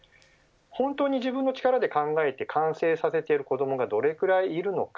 本当に自分の力で考えて完成させている子どもがどれくらいいるのか。